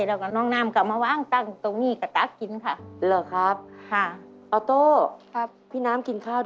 แล้วก็น้องน้ำก็มาวางตั้งตรงนี้กระตากินค่ะ